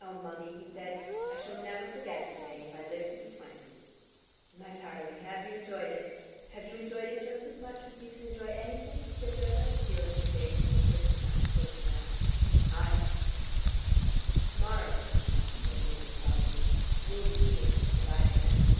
"Oh, Mummie," he said, "I shall never forget to day, if I live to be twenty." "My darling, have you enjoyed it? Have you enjoyed it just as much as you can enjoy anything?" said Dodo, feeling the shades of the prison house closing round. "I have." "To morrow at this time," said David solemnly, "you'll be here and I shan't."